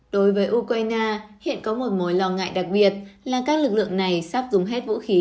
đối với ukraine hiện có một mối lo ngại đặc biệt là các lực lượng này sắp dùng hết vũ khí